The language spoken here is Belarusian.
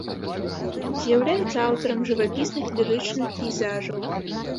З'яўляецца аўтарам жывапісных лірычных пейзажаў.